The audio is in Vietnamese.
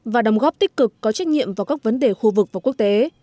và đồng góp tích cực có trách nhiệm vào các vấn đề khu vực và quốc tế